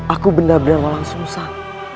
aku benar benar nuala sungsang